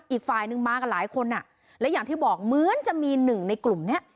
อีกฝ่ายนึงมากันหลายคนอ่ะและอย่างที่บอกเหมือนจะมีหนึ่งในกลุ่มเนี้ย